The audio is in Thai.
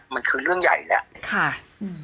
มันคือเรื่องใหญ่แล้ว